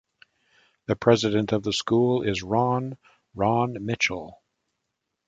The president of the school is Ron "Ron" Mitchell.